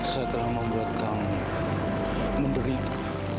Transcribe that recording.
saya telah membuat kamu menderita